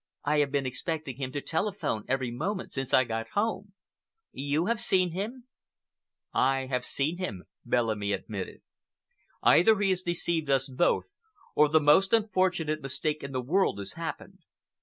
I have been expecting him to telephone every moment since I got home. You have seen him?" "I have seen him," Bellamy admitted. "Either he has deceived us both, or the most unfortunate mistake in the world has happened.